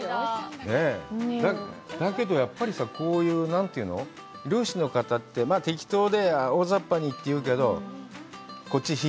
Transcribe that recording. だけど、やっぱりさ、こういう、漁師の方って、適当で大ざっぱにというけど、こっち火。